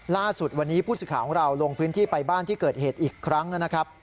ล่าสุดวันนี้ผู้สื่อข่าวของเราลงพื้นที่ไปบ้านที่เกิดเหตุอีกครั้งนะครับ